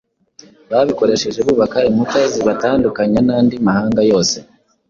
babikoresheje bubaka inkuta zibatandukanya n’andi mahanga yose.